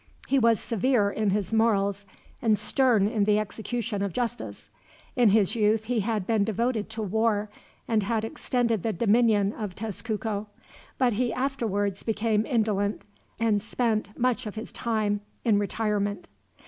He was severe in his morals, and stern in the execution of justice. In his youth he had been devoted to war, and had extended the dominion of Tezcuco; but he afterwards became indolent, and spent much of his time in retirement.